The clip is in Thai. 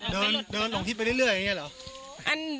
เดินลงทิศไปเรื่อยอย่างนี้เหรอ